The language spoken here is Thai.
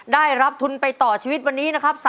ได้รับทุนไปต่อชีวิตวันนี้นะครับ